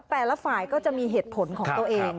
แต่ละฝ่ายก็จะมีเหตุผลของตัวเอง